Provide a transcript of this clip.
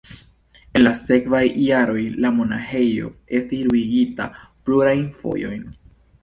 En la sekvaj jaroj la monaĥejo estis ruinigita plurajn fojojn.